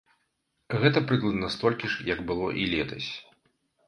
Гэта прыкладна столькі ж, як было і летась.